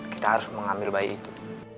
kita harus mengambil bayi itu